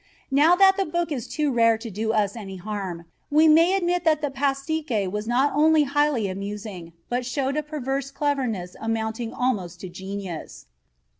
Now that the book is too rare to do us any harm, we may admit that the pastiche was not only highly amusing, but showed a perverse cleverness amounting almost to genius."